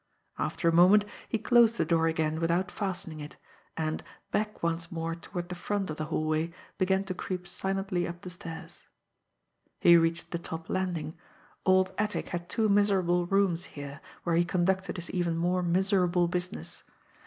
After a moment, he closed the door again without fastening it; and, back once more toward the front of the hallway, began to creep silently up the stairs. He reached the top landing. Old Attic had two miserable rooms here, where he conducted his even more miserable business!